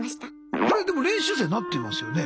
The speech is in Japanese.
あれでも練習生なってますよね？